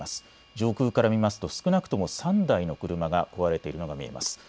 上空から見ますと少なくとも３台の車が壊れているのが見えます。